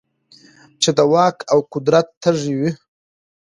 چـې د واک او قـدرت تـېږي وي .